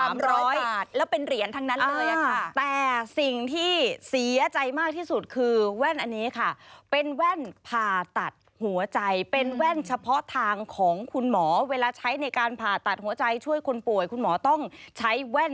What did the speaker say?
๓๐๐บาทแล้วเป็นเหรียญทั้งนั้นเลยค่ะ